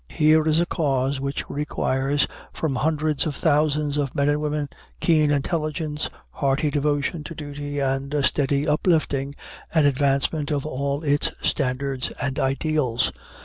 Here is a cause which requires from hundreds of thousands of men and women keen intelligence, hearty devotion to duty, and a steady uplifting and advancement of all its standards and ideals.